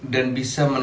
dan bisa menempatkan